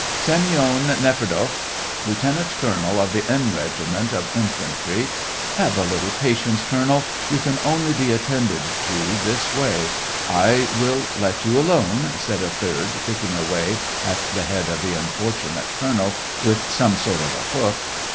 ^'" Semyon Neferdoff, lieutenant colonel of the N regiment of infantry. Have a little patience, colonel : you can only be attended to this way ; I will let you alone," said a third, picking away SEVASTOPOL IN MAY. jj at the head of the unfortunate colonel, with some sort of a hook.